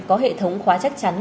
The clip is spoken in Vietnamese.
có hệ thống khóa chắc chắn